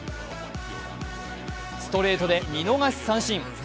ストレートで見逃し三振。